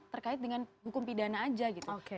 terkait dengan hukum pidana aja gitu